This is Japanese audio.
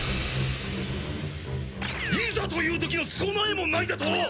いざというときの備えもないだと！？